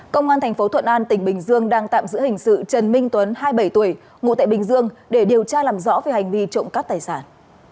công an tp thuận an tỉnh bình dương đang tạm giữ hình sự trần minh tuấn hai mươi bảy tuổi ngụ tại bình dương để điều tra làm rõ về hành vi trộm cắp tài sản